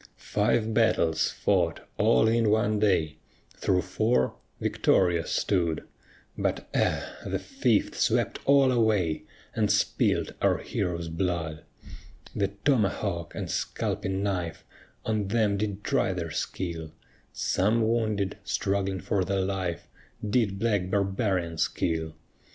Five battles fought all in one day, Through four victorious stood, But ah! the fifth swept all away, And spilt our heroes' blood. The tomahawk and scalping knife On them did try their skill; Some wounded, struggling for their life, Did black barbarians kill.